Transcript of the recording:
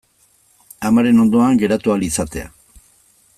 Amaren ondoan geratu ahal izatea.